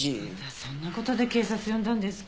そんな事で警察呼んだんですか？